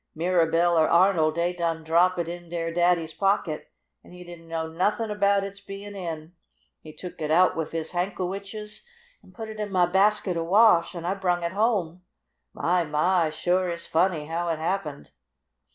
Mirabell or Arnold, dey done drop it in dere Daddy's pocket, an' he didn't know nothin' about its bein' in. He took it out wif his hankowitches, and put it in mah basket of wash. An' I brung it home. My! My! It suah is funny how it happened!"